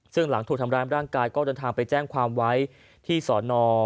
ซึ่งหลังถูกทำร้ายร่างกายก็เดินทางไปแจ้งความไว้ที่สอนอ